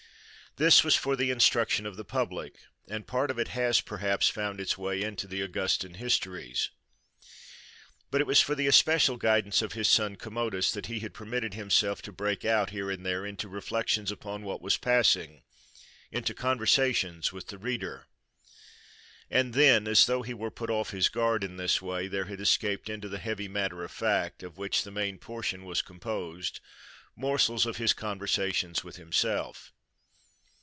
This was for the instruction of the public; and part of it has, perhaps, found its way into the Augustan Histories. But it was for the especial guidance of his son Commodus that he had permitted himself to break out, here and there, into reflections upon what was passing, into conversations with the reader. And then, as though he were put off his guard in this way, there had escaped into the heavy matter of fact, of which the main portion was composed, morsels of his conversation with himself.